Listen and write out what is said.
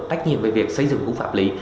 tách nghiệm về việc xây dựng khung pháp lý